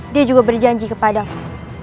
dia juga berjanji kepadamu